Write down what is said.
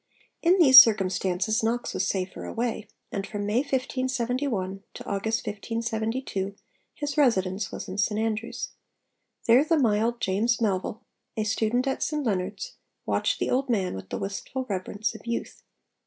In these circumstances Knox was safer away; and from May 1571 to August 1572 his residence was St Andrews. There the mild James Melville, a student at St Leonards, watched the old man with the wistful reverence of youth.